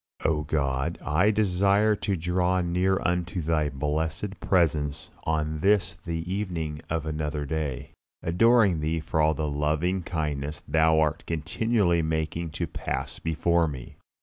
O God, I desire to draw near unto Thy blessed presence on this the evening of another day, adoring Thee for all the loving kindness Thou art continually making to pass before me.